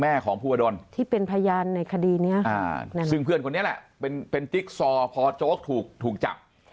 แม่ของภูวะดนที่เป็นพยานในคดีนี้นะครับซึ่งเพื่อนคนนี้แหละเป็นติ๊กซอร์พอโจ๊กถูกถูกจับ